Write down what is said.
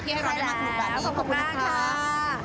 ที่ให้เราได้มาสนุกกว่านี้ขอบคุณมากค่ะ